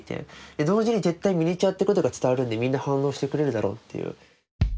同時に絶対ミニチュアってことが伝わるんでみんな反応してくれるだろうという。